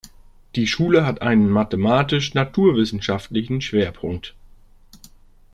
Die Schule hat einen mathematisch-naturwissenschaftlichen Schwerpunkt.